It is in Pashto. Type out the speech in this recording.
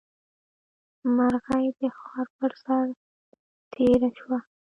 مرغۍ د ښار پر سر تېره شوه.